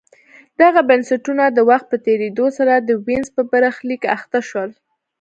دغه بنسټونه د وخت په تېرېدو سره د وینز په برخلیک اخته شول